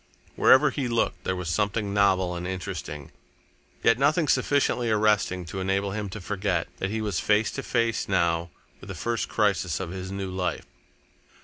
Wherever he looked, there was something novel and interesting, yet nothing sufficiently arresting to enable him to forget that he was face to face now with the first crisis of his new life.